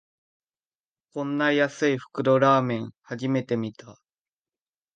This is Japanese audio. こんな安い袋ラーメン、初めて見た